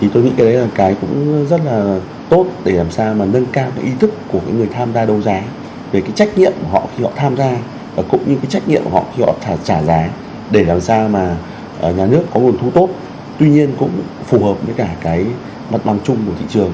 tuy nhiên cũng phù hợp với mặt bằng chung của thị trường